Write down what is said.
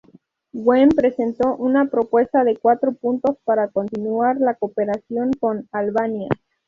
Wen presentó una propuesta de cuatro puntos para continuar la cooperación con Albania.